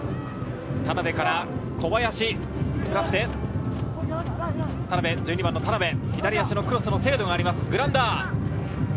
田辺から小林、すらして、１２番の田辺、左足のクロスの精度があります。